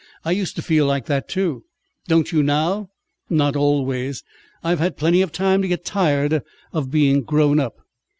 "I used to feel like that too." "Don't you now?" "Not always. I've had plenty of time to get tired of being grown up."